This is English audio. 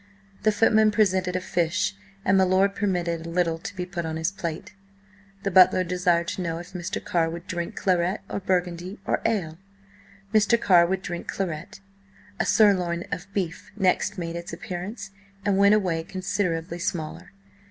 The footmen presented a fish, and my lord permitted a little to be put on his plate. The butler desired to know if Mr. Carr would drink claret or burgundy, or ale? Mr. Carr would drink claret. A sirloin of beef next made its appearance, and went away considerably smaller.